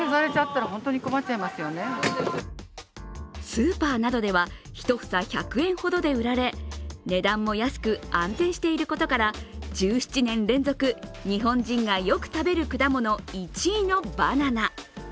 スーパーなどでは１房１００円ほどで売られ、値段も安く安定していることから１７年連続日本人がよく食べる果物１位のバナナ。